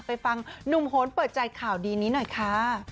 ไปฟังหนุ่มโหนเปิดใจข่าวดีนี้หน่อยค่ะ